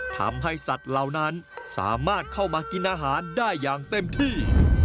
ทำให้สัตว์เหล่านั้นสามารถเข้ามากินอาหารได้อย่างเต็มที่